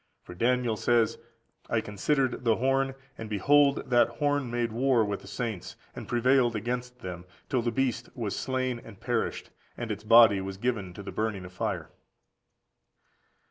For Daniel says: "I considered the horn, and behold that horn made war with the saints, and prevailed against them, till the beast was slain and perished, and its body was given to the burning of fire."